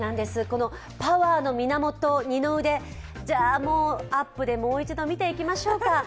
パワーの源、二の腕、アップでもう一度見ていきましょうか。